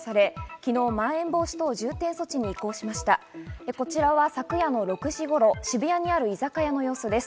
昨夜の６時頃、渋谷にある居酒屋の様子です。